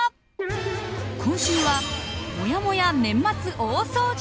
今週はもやもや年末大掃除